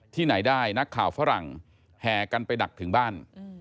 ที่ไหนได้นักข่าวฝรั่งแห่กันไปดักถึงบ้าน